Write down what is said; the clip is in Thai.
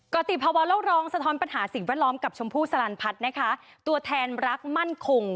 ติภาวะโลกร้องสะท้อนปัญหาสิ่งแวดล้อมกับชมพู่สลันพัฒน์นะคะตัวแทนรักมั่นคง